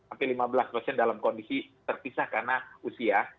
atau lima belas dalam kondisi terpisah karena usia